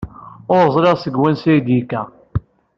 Ur ẓriɣ seg wansi ay d-yekka.